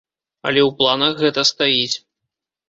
Але ў планах гэта стаіць.